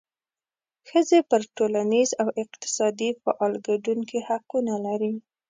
ښځې په ټولنیز او اقتصادي فعال ګډون کې حقونه لري.